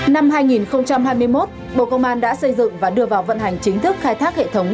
năm hai nghìn hai mươi một bộ công an đã xây dựng và đưa vào vận hành chính thức khai thác hệ thống